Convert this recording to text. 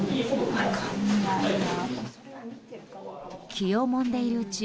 気をもんでいるうち